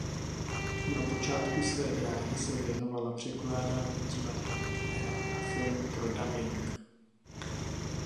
Na počátku své dráhy se věnovala překládání divadelních her a filmů pro dabing.